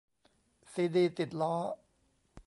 ซีดีติดล้อ !